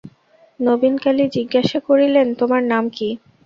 নবীনকালী জিজ্ঞাসা করিলেন, তোমার নাম কী?